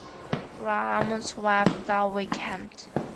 Brabham swept the weekend.